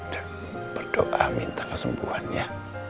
dan berdoa minta kesembuhan ya